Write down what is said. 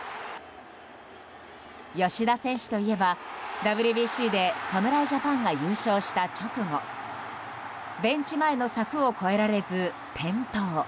吉田選手といえば、ＷＢＣで侍ジャパンが優勝した直後ベンチ前の柵を越えられず転倒。